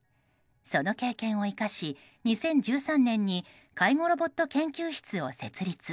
その経験を生かし、２０１３年に介護ロボット研究室を設立。